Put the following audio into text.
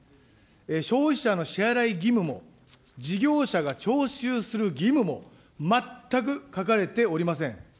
消費者の支払い義務も、事業者が徴収する義務も、全く書かれておりません。